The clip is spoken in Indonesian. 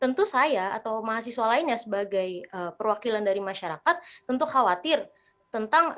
tentu saya atau mahasiswa lainnya sebagai perwakilan dari masyarakat tentu khawatir tentang